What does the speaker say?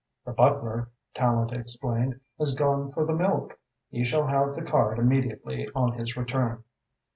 "The butler," Tallente explained, "has gone for the milk. He shall have the card immediately on his return."